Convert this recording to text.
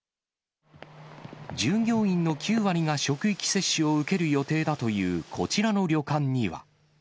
従業員の９割が職域接種を受ける予定だというこちらの旅館には。